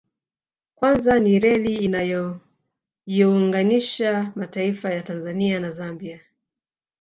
Kwanza ni reli inayoyounganisha mataifa ya Tanzania na Zambia